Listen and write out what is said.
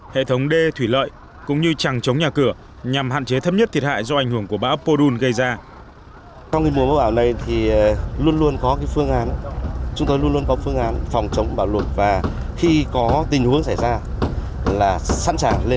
hệ thống đê thủy lợi cũng như chẳng chống nhà cửa nhằm hạn chế thấp nhất thiệt hại do ảnh hưởng của bão podun gây ra